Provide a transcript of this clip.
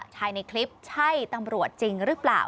ใช้นายคลิปใช่ตรวจจรึเปล่า